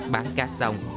bán cá xong